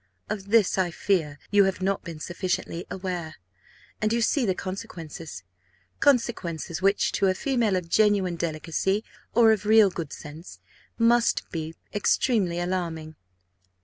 Of this, I fear, you have not been sufficiently aware, and you see the consequences consequences which, to a female of genuine delicacy or of real good sense, must be extremely alarming.